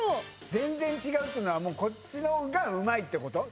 全然違うっつうのはこっちのがうまい！ってこと？